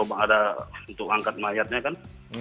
ada untuk angkat mayatnya kan